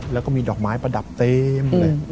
แล้วมีดอกไม้ประดับเต็ม